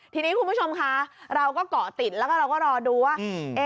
ทีนี้คุณผู้ชมคะเราก็เกาะติดแล้วก็เราก็รอดูว่า